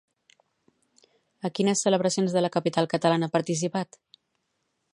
A quines celebracions de la capital catalana ha participat?